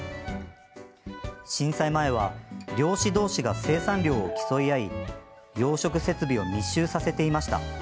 震災前は漁師同士が生産量を競い合い養殖設備を密集させていました。